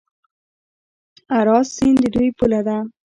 اراس سیند د دوی پوله ده.